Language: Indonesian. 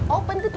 open tuh lho